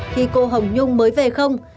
khi cô hồng nhung mới về không